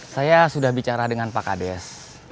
saya sudah bicara dengan pak kades